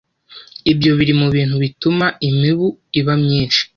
Ibyo biri mu bintu bituma imibu iba myinshi